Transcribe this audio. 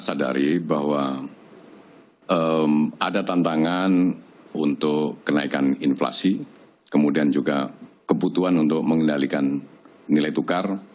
saya sadari bahwa ada tantangan untuk kenaikan inflasi kemudian juga kebutuhan untuk mengendalikan nilai tukar